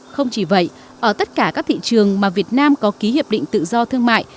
không chỉ vậy ở tất cả các thị trường mà việt nam có ký hiệp định tự do thương mại